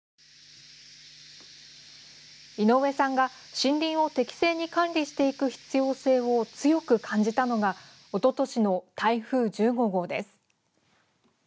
井上さんが、森林を適正に管理していく必要性を強く感じたのがおととしの台風１５号です。